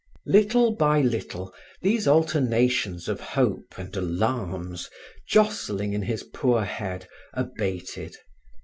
Little by little, these alternations of hope and alarms jostling in his poor head, abated.